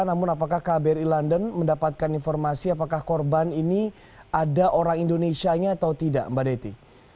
namun apakah kbri london mendapatkan informasi apakah korban ini ada orang indonesianya atau tidak mbak dety